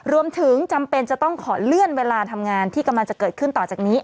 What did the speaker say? จำเป็นจะต้องขอเลื่อนเวลาทำงานที่กำลังจะเกิดขึ้นต่อจากนี้